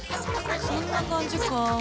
そんな感じか。